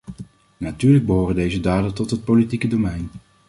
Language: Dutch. Natuurlijk behoren deze daden tot het politieke domein.